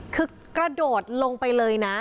คือกระโดดลงไปเลยนะ